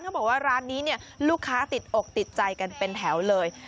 เขาบอกว่าร้านนี้เนี่ยลูกค้าติดอกติดใจกันเป็นแถวเลย